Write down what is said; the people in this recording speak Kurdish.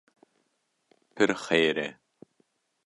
pir xêr e